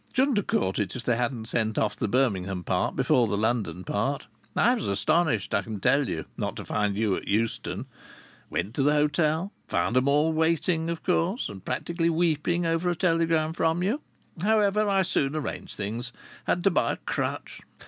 Shouldn't have caught it if they hadn't sent off the Birmingham part before the London part. I was astonished, I can tell you, not to find you at Euston. Went to the hotel. Found 'em all waiting, of course, and practically weeping over a telegram from you. However, I soon arranged things. Had to buy a crutch....